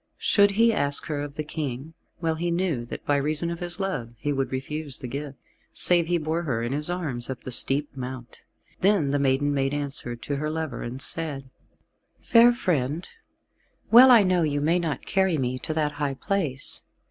Should he ask her of the King, well he knew that by reason of his love he would refuse the gift, save he bore her in his arms up the steep mount. Then the maiden made answer to her lover, and said, "Fair friend, well I know you may not carry me to that high place.